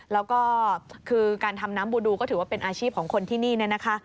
แล้วก็คือการทำน้ำบูดูก็ถือว่าเป็นอาชีพของคนที่นี่เนี่ยนะคะ